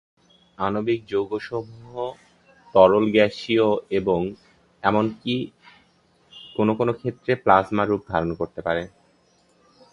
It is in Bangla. আণবিক যৌগসমূহ তরল, গ্যাসীয় এবং এমনকি কোন কোন ক্ষেত্রে প্লাজমা রূপ ধারণ করতে পারে।